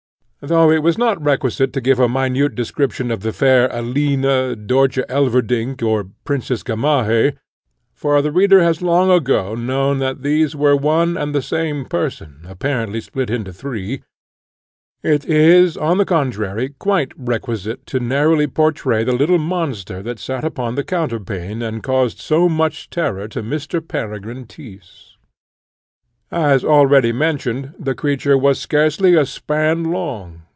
Though it was not requisite to give a minute description of the fair Alina, Dörtje Elverdink, or Princess Gamaheh, for the reader has long ago known that these were one and the same person apparently split into three, it is, on the contrary, quite requisite to narrowly portray the little monster that sate upon the counterpane, and caused so much terror to Mr. Peregrine Tyss. As already mentioned, the creature was scarcely a span long.